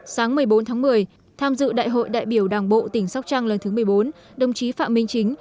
sáng một mươi bốn tháng một mươi tham dự đại hội đại biểu đảng bộ tỉnh sóc trăng lần thứ một mươi bốn đồng chí phạm minh chính